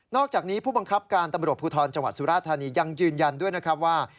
อกจากนี้ผู้บังคับการตำรวจภูทรจังหวัดสุราธานียังยืนยันด้วยนะครับว่า